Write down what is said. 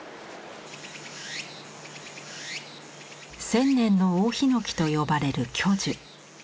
「千年の大ヒノキ」と呼ばれる巨樹。